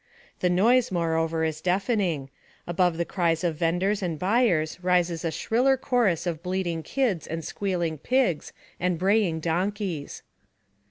The noise moreover is deafening; above the cries of vendors and buyers rises a shriller chorus of bleating kids and squealing pigs and braying donkeys.